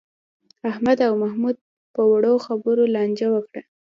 احمد او محمود په وړو خبرو لانجه وکړه.